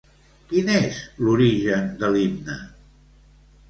Quin és l'origen de l'himne?